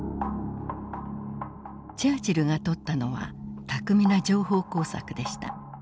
チャーチルがとったのは巧みな情報工作でした。